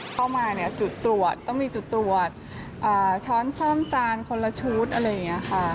เข้ามาเนี่ยจุดตรวจต้องมีจุดตรวจช้อนซ่อมจานคนละชุดอะไรอย่างนี้ค่ะ